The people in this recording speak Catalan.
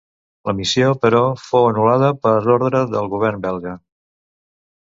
La missió però, fou anul·lada per ordre del govern belga.